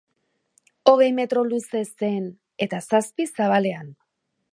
Hogei metro luze zen eta zazpi zabalean.